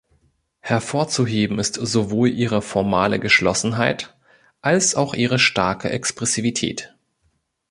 Hervorzuheben ist sowohl ihre formale Geschlossenheit als auch ihre starke Expressivität.